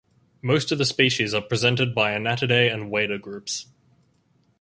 Most of the species are presented by Anatidae and wader groups.